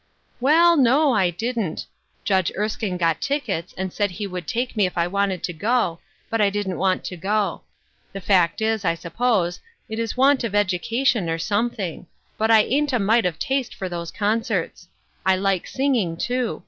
" Well, no, I didn't. Judge Erskine got tick ets, and said he would take me if I wanted to go ; but I didn't want to go. The fact is, I sup pose, it is want of education, or something ; but I ain't a might of taste for those concerts. I like singing, too.